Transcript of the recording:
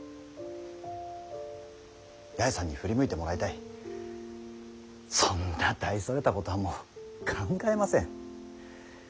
八重さんに振り向いてもらいたいそんな大それたことはもう考えません。